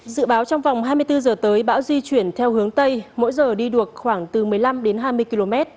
dự báo trong vòng hai mươi bốn giờ tới bão di chuyển theo hướng tây mỗi giờ đi được khoảng từ một mươi năm đến hai mươi km